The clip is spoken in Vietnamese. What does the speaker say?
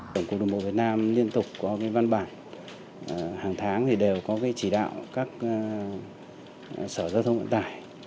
tổng cục đường bộ việt nam liên tục có cái văn bản hàng tháng thì đều có cái chỉ đạo các sở giao thông vận tải